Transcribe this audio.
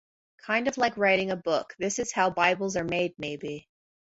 kind of like writing a book This is how bibles are made, maybe